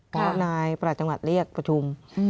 เพราะนายประหลัดจังหวัดเรียกปฐุม